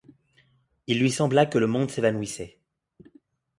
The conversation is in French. Il lui sembla que le monde s'évanouissait.